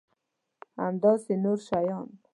همداسې نور شیان.